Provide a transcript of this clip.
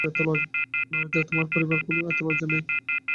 নগারিগো, তোমার পরিবার, এতে কোন লজ্জা নেই!